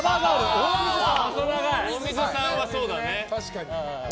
大水さんはそうだね。